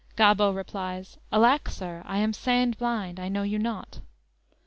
"_ Gobbo replies: _"Alack, sir. I am sand blind. I know you not."